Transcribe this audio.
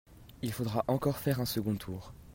Il faudra encore faire un second tour.